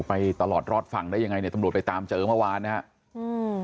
ไปตลอดรอดฝั่งได้ยังไงเนี่ยตำรวจไปตามเจอเมื่อวานนะฮะอืม